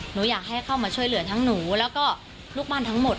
หนูอยากให้เข้ามาช่วยเหลือทั้งหนูแล้วก็ลูกบ้านทั้งหมด